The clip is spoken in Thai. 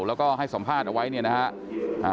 แล้วก็ให้สัมภาษณ์เอาไว้เนี่ยนะฮะ